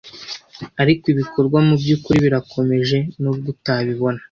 Ariko ibikorwa mu by'ukuri birakomeje nubwo utabibona